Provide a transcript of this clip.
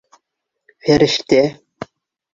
— Фәрештә?